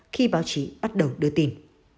khi báo chí bắt đầu đưa tin